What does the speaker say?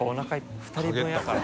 二人分やから。